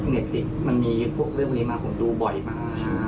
เรื่องนี้มาผมดูบ่อยมาก